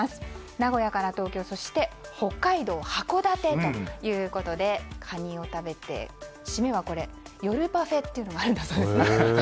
名古屋から東京、そして北海道函館へということでカニを食べて締めは夜パフェっていうのがあるんだそうです。